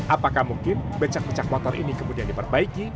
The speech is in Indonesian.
apakah mungkin becak becak motor ini kemudian diperbaiki